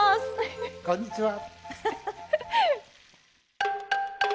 こんにちは。